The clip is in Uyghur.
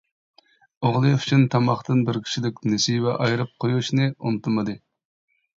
ئوغلى ئۈچۈن تاماقتىن بىر كىشىلىك نېسىۋە ئايرىپ قويۇشنى ئۇنتۇمىدى.